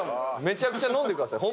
めちゃくちゃ飲んでください。